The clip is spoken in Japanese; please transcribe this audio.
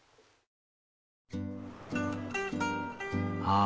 ああ